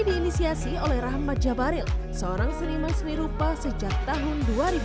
diinisiasi oleh rahmat jabaril seorang seniman seni rupa sejak tahun dua ribu